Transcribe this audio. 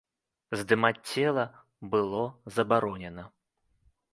Здымаць цела было забаронена.